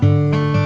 terima kasih ya mas